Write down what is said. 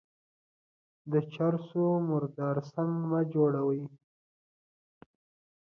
د چر سو مردار سنگ مه جوړوه.